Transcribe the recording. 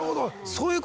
そういう。